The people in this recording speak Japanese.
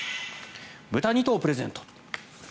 豚２頭プレゼント。